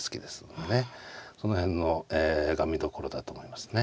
その辺が見どころだと思いますね。